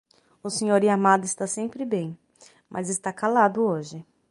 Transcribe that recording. O Sr. Yamada está sempre bem, mas está calado hoje.